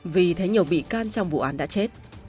vì thấy nhiều bị can trong vụ án đã chết